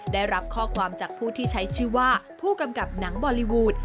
ได้รับข้อความจากผู้ที่ใช้ชื่อว่าผู้กำกับหนังบอลลีวูด